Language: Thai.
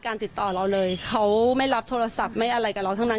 ติดต่อเราเลยเขาไม่รับโทรศัพท์ไม่อะไรกับเราทั้งนั้น